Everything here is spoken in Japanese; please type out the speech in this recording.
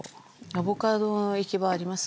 アボカドの行き場あります？